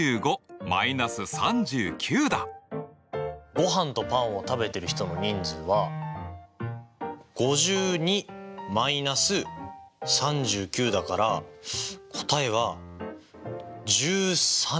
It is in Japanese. ごはんとパンを食べてる人の人数は５２−３９だから答えは１３人。